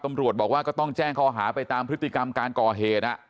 ตำรวจบอกว่าก็ต้องแจ้งข้อหาไปตามพฤติกรรมการก่อเหตุ